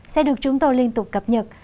sẽ được chúng tôi liên tục cập nhật